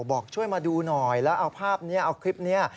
บอกช่วยมาดูหน่อยแล้วเอาภาพนี้เอาคลิปนี้